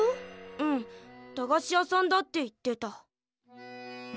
うん駄菓子屋さんだって言ってた。